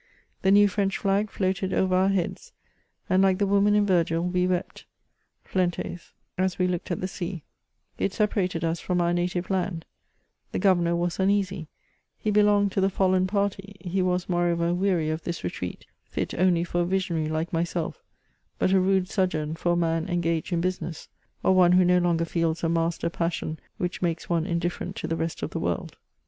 The new French flag floated over our heads, ' and like the woman in Virgil, we wept ijientes) as we looked at the sea ; it separated us from our native land; the Governor was uneasy ; he belonged to the fallen party; he was, moreover, weary of this retreat, fit only for a visionary like myself, but a rude sojourn for a man engaged in business, or one wDo no longer feels a master passion which makes one indifferent to the rest of the world.